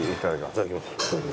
いただきます。